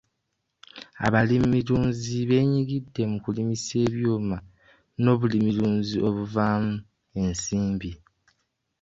Abalimirunzi beenyigidde mu kulimisa ebyuma n'obulimirunzi obuvaamu ensimbi.